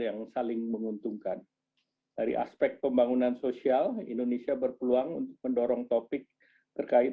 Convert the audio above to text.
yang saling menguntungkan dari aspek pembangunan sosial indonesia berpeluang untuk mendorong topik terkait